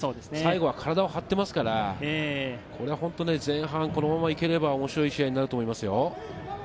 最後は体を張っていますから、これは本当に前半このまま行ければ面白い試合になると思いますよ。